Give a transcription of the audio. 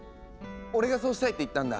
俺がそうしたいって言ったんだ。